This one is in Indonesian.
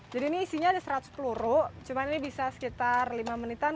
jadi ini isinya ada seratus peluru cuman ini bisa sekitar lima menitan